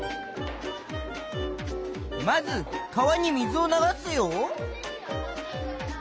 まず川に水を流すよ。